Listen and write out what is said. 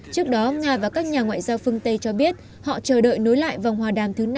trước đó nga và các nhà ngoại giao phương tây cho biết họ chờ đợi nối lại vòng hòa đàm thứ năm